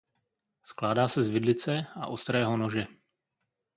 Skládá se z vidlice a ostrého nože.